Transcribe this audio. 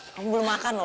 kamu belum makan loh